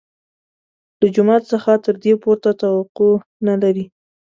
له جومات څخه تر دې پورته توقع نه لري.